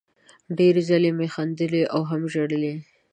ډېر ځلې مې خندلي او هم ژړلي